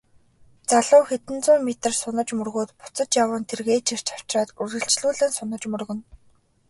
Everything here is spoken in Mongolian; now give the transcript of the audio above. Залуу хэдэн зуун метр сунаж мөргөөд буцаж яван тэргээ чирч авчраад үргэлжлүүлэн сунаж мөргөнө.